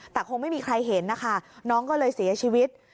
แต่คงไม่มีใครเห็นนะคะน้องก็เลยเสียชีวิต